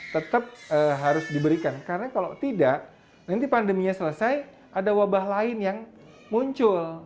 tetap harus diberikan karena kalau tidak nanti pandeminya selesai ada wabah lain yang muncul